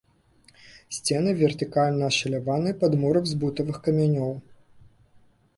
Сцены вертыкальна ашаляваныя, падмурак з бутавых камянёў.